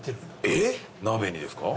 えっ鍋にですか？